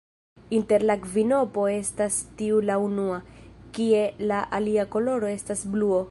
Inter la kvinopo estas tiu la unua, kie la alia koloro estas bluo.